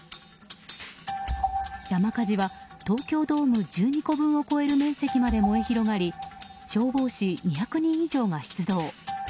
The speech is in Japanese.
山火事は東京ドーム１２個分を超える面積まで燃え広がり消防士２００人以上が出動。